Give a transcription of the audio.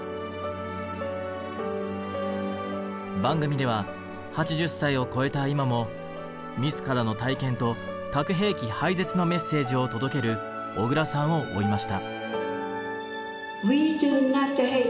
番組では８０歳を超えた今も自らの体験と核兵器廃絶のメッセージを届ける小倉さんを追いました。